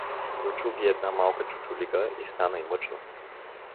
Дочу ги една малка чучулига и стана и мъчно.